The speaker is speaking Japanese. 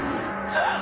あっ！